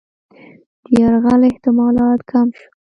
د یرغل احتمالات کم شول.